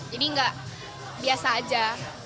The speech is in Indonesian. jadi enggak biasa aja